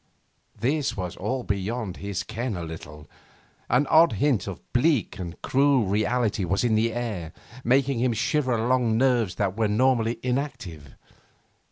This was all beyond his ken a little. An odd hint of bleak and cruel reality was in the air, making him shiver along nerves that were normally inactive.